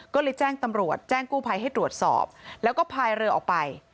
ก็เลยแจ้งตำรวจแจ้งกู้ภัยให้ตรวจสอบแล้วก็พายเรือออกไป